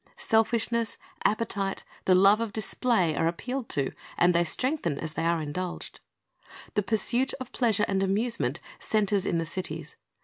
Selfishness, appetite, the love of display, are appealed to, and they strengthen as they are indulged. The pursuit of pleasure and amusement centers in the cities.